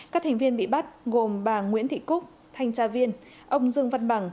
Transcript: các thành viên bị bắt gồm bà nguyễn thị cúc thanh tra viên ông dương văn bằng